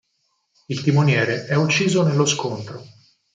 Il timoniere è ucciso nello scontro.